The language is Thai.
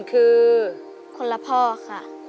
สวัสดีครับ